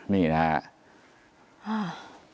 นี่นะฮะ